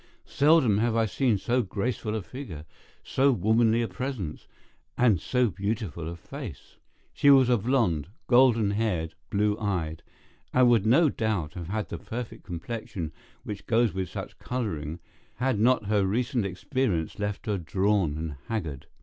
Seldom have I seen so graceful a figure, so womanly a presence, and so beautiful a face. She was a blonde, golden haired, blue eyed, and would no doubt have had the perfect complexion which goes with such colouring, had not her recent experience left her drawn and haggard.